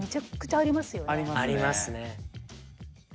ありますね。